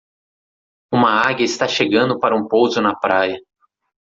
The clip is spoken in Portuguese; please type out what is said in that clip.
Uma águia está chegando para um pouso na praia.